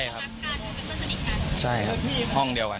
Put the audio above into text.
เห็นบอกว่าตอนสมัยเป็นเด็กเรียนวัดด้วยกันหรือวัดด้วยกัน